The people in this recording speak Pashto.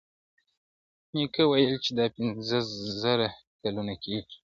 نیکه ویل چي دا پنځه زره کلونه کیږي!.